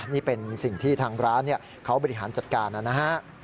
นี่เป็นสิ่งที่ทางร้านเขาบริหารจัดการนะฮะ